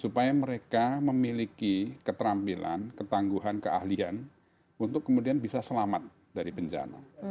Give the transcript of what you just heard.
supaya mereka memiliki keterampilan ketangguhan keahlian untuk kemudian bisa selamat dari bencana